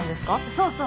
そうそう。